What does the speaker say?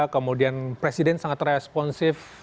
kemudian presiden sangat responsif